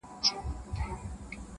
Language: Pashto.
هر غاټول يې زما له وينو رنګ اخيستی-